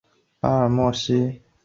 巴尔默出生在密歇根州底特律。